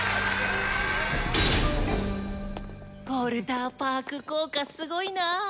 ウォルターパーク効果すごいな。